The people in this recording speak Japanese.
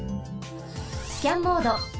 スキャンモード。